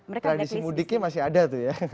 tradisi mudiknya masih ada tuh ya